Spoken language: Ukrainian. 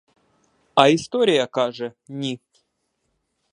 А історія каже — ні!